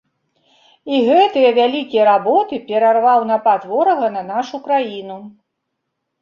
І гэтыя вялікія работы перарваў напад ворага на нашу краіну.